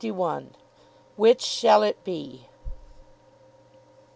WHICH SHALL IT BE?